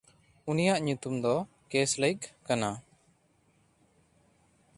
ᱩᱱᱤᱭᱟᱜ ᱧᱩᱛᱩᱢ ᱫᱚ ᱠᱮᱥᱞᱮᱭᱜᱷ ᱠᱟᱱᱟ᱾